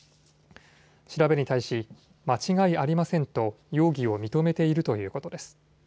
調べに対し間違いありませんと容疑を認めているということです。